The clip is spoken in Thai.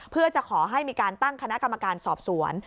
เพื่อจะขอให้มีการตั้งคณะกรรมการสอบสวน